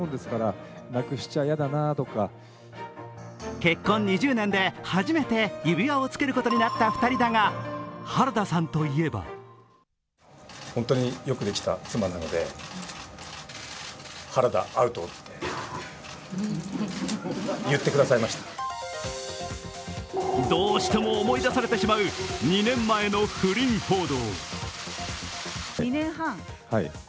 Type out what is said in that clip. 結婚２０年で初めて指輪を着けることになった２人だが、原田さんといえばどうしても思い出されてしまう２年前の不倫報道。